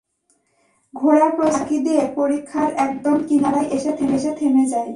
ঘোড়া প্রচণ্ড ঝাঁকি দিয়ে পরিখার একদম কিনারায় এসে থেমে যায়।